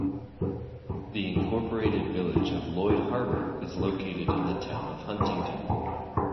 The Incorporated Village of Lloyd Harbor is located in the town of Huntington.